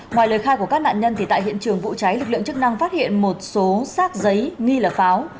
ngoài lời khai của các nạn nhân thì tại hiện trường vụ cháy lực lượng chức năng phát hiện một số xác giấy nghi là pháo